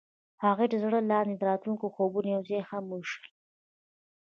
هغوی د زړه لاندې د راتلونکي خوبونه یوځای هم وویشل.